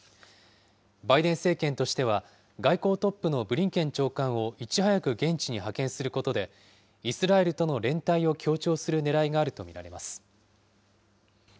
バイデン政権としては、外交トップのブリンケン長官をいち早く現地に派遣することで、イスラエルとの連帯を強調するねらいがあると見られます。